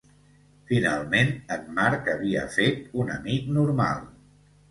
Finalment en Marc havia fet un amic normal.